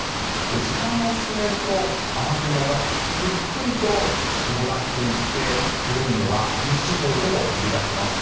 時間を進めると雨雲がゆっくりと広がっていって夜には近畿地方でも降り出します。